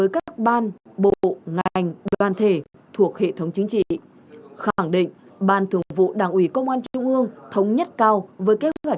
cảm ơn các bạn đã theo dõi